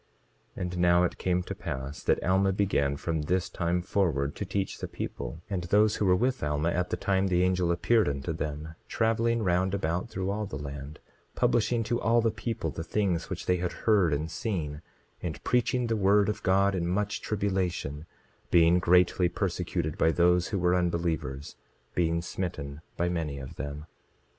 27:32 And now it came to pass that Alma began from this time forward to teach the people, and those who were with Alma at the time the angel appeared unto them, traveling round about through all the land, publishing to all the people the things which they had heard and seen, and preaching the word of God in much tribulation, being greatly persecuted by those who were unbelievers, being smitten by many of them.